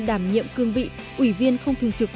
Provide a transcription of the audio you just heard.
đảm nhiệm cương vị ủy viên không thường trực